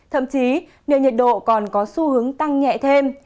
thậm chí nền nhiệt độ còn có xu hướng tăng nhẹ thêm